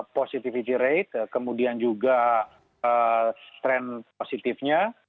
positivity rate kemudian juga tren positifnya